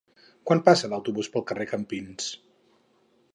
Quan passa l'autobús pel carrer Campins?